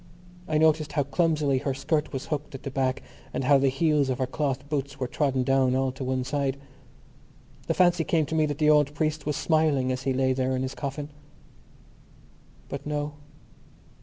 I noticed how clumsily her skirt was hooked at the back and how the heels of her cloth boots were trodden down all to one side. The fancy came to me that the old priest was smiling as he lay there in his coffin. But no.